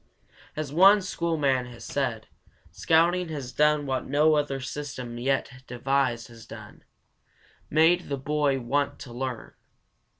As one school man has said, "Scouting has done what no other system yet devised has done made the boy want to learn."